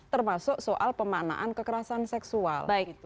termasuk soal pemaknaan kekerasan seksual